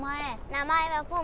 名前はポン。